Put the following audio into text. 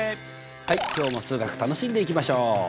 はい今日も数学楽しんでいきましょう。